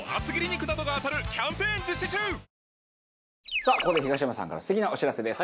さあここで東山さんから素敵なお知らせです。